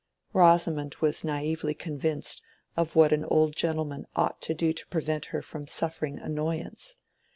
Rosamond was naively convinced of what an old gentleman ought to do to prevent her from suffering annoyance.